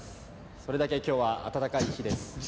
それだけきょうは暖かい日です。